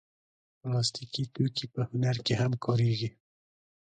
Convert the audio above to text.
پلاستيکي توکي په هنر کې هم کارېږي.